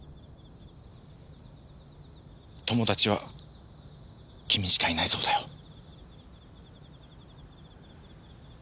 友達は君しかいないそうだよ。